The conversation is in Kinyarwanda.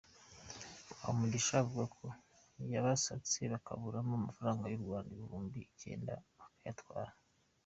Habumugisha avuga ko babasatse bakabakuramo amafaranga y’u Rwanda ibihumbi icyenda bakayatwara.